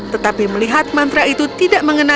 tetapi melihat mantra itu tidak mengenal